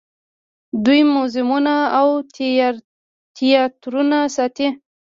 دوی موزیمونه او تیاترونه ساتي.